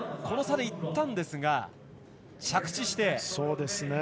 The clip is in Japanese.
この差でいったんですが着地して。